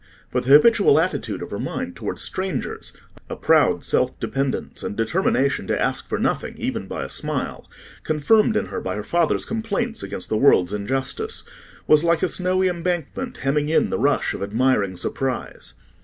But the habitual attitude of her mind towards strangers—a proud self dependence and determination to ask for nothing even by a smile—confirmed in her by her father's complaints against the world's injustice, was like a snowy embankment hemming in the rush of admiring surprise.